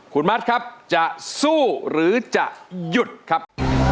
คุณมัดครับจะสู้หรือจะหยุดครับ